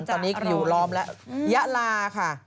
ตอนนี้จะอยู่รอบและยะลาค่ะ